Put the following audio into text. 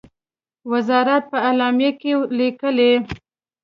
وزارت په اعلامیه کې لیکلی،